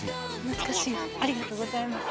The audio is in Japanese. ありがとうございます。